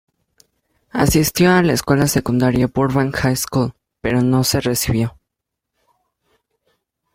Asistió a la escuela secundaria Burbank High School, pero no se recibió.